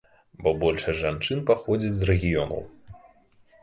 Бо большасць жанчын паходзяць з рэгіёнаў.